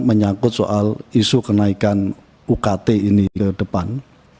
menyangkut soal isu kenaikan ukt ini ke depan